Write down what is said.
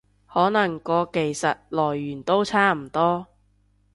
可能個技術來源都差唔多